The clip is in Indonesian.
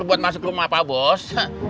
buat masuk rumah pak bos